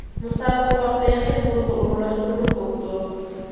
مۇسابىقە ۋاقتى خېلى بۇرۇنلا ئورۇنلاشتۇرۇلۇپ بوپتۇ.